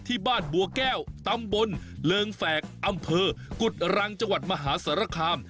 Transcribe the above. ที่บ้านบัวแก้วตำบลเริงแฝกอำเภอกุฎรังจังหวัดมหาสารคาม